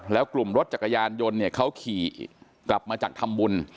แล้วกลุ่มรถจักรยานยนต์เนี่ยเขาขี่กลับมาจากทำบุญ